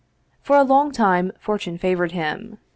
For a long time fortune favored him.